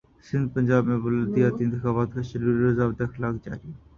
سندھپنجاب میں بلدیاتی انتخابات کاشیڈول اور ضابطہ اخلاق جاری